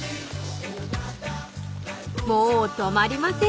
［もう止まりません］